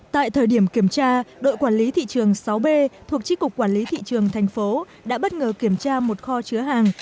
tại thời điểm kiểm tra đội quản lý thị trường sáu b thuộc tri cục quản lý thị trường thành phố đã bất ngờ kiểm tra một kho chứa hàng